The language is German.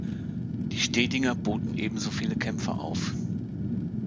Die Stedinger boten ebenso viele Kämpfer auf.